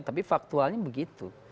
tapi faktualnya begitu